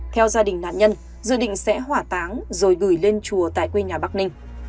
theo gia đình nạn nhân dự định sẽ hỏa táng rồi gửi lên chùa tại quê nhà bắc ninh